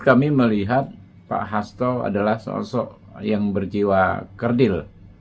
kami melihat pak hasto adalah sosok yang berjiwa kerdil